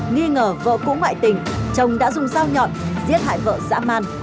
nghi ngờ vợ cũ ngoại tình chồng đã dùng dao nhọn giết hại vợ dã man